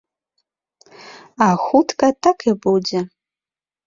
А хутка так і будзе.